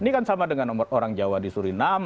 ini kan sama dengan orang jawa di surinam